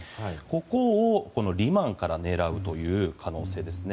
ここをリマンから狙うという可能性です。